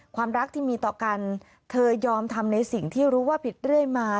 ความรักที่มีต่อกันเธอยอมทำในสิ่งที่รู้ว่าผิดเรื่อยมา